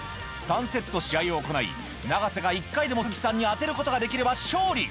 ３セット試合を行い、永瀬が一回でも鈴木さんに当てることができれば勝利。